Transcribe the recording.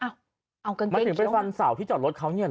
เอากางเครียงเกี้ยวที่ถึงเป็นฟันเสาที่จอดรถเขานี่หรอ